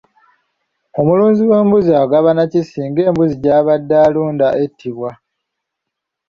Omulunzi w'embuzi agabana ki singa embuzi gy'abadde alunda ettibwa?